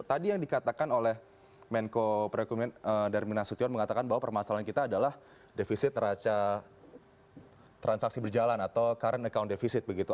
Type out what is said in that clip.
tadi yang dikatakan oleh menko perekonmen darmina sutyon mengatakan bahwa permasalahan kita adalah defisit raja transaksi berjalan atau current account defisit begitu